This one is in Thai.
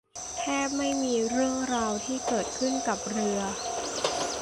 แทบไม่มีเรื่องราวที่เกิดขึ้นกับเรือ